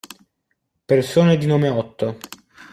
Persone di nome Otto